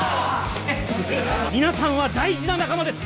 皆さんは大事な仲間です